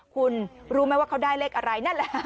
คุณรู้ไหมว่าเขาได้เลขอะไรนั่นแหละ